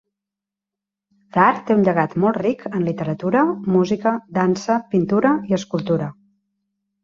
Dhar té un llegat molt ric en literatura, música, dansa, pintura i escultura.